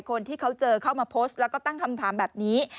คนที่เขาเจอเข้ามาโพสต์แล้วก็ตั้งคำถามแบบนี้